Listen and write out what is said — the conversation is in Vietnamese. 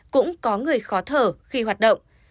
cũng có người khó thở khi hoạt động